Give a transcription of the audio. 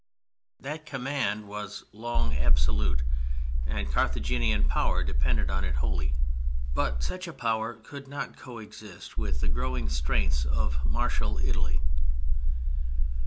That command was long absolute and Carthaginian power depended on it wholly. But such a power could not co exist with the growing strength of martial Italy.